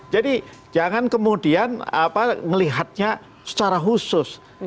jadi jangan kemudian melihatnya secara khusus